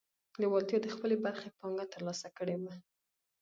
لېوالتیا د خپلې برخې پانګه ترلاسه کړې وه.